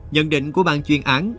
nhận định của bàn chuyên án